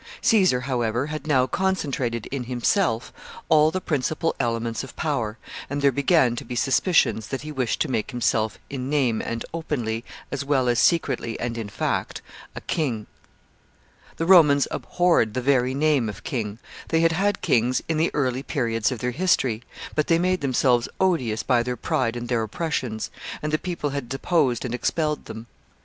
Caesar, however, had now concentrated in himself all the principal elements of power, and there began to be suspicions that he wished to make himself in name and openly, as well as secretly and in fact, a king. [Sidenote: Roman repugnance to royalty.] [Sidenote: Firmness of the Romans.] The Romans abhorred the very name of king. They had had kings in the early periods of their history, but they made themselves odious by their pride and their oppressions, and the people had deposed and expelled them.